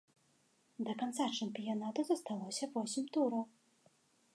Да канца чэмпіянату засталося восем тураў.